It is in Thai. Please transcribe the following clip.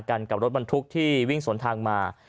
กับรถบรรทุกที่วิ่งสวนทางมา